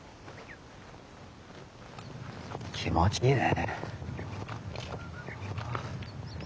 気持ちいいね。